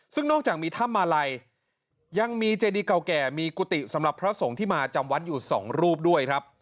ซึ่งนอกจากมีถ้ำมาลัยยังมีเจดีเก่าแก่มีกุฏิสำหรับพระสงฆ์ที่มาจำวัดอยู่สองรูปด้วยครับ